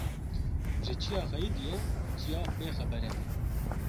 Ji çiya xeyîdiye çiya bê xeber e